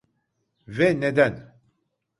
Ve neden?